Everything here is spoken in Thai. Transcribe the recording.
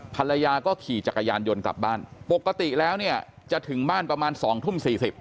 ภรรยาก็ขี่จักรยานยนต์กลับบ้านปกติแล้วเนี่ยจะถึงบ้านประมาณ๒ทุ่ม๔๐